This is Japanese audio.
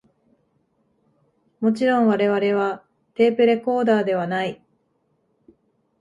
もちろん我々はテープレコーダーではない